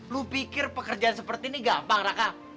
lu pikir pekerjaan seperti ini gampang gak kak